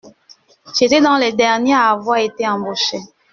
J’étais dans les derniers à avoir été embauché.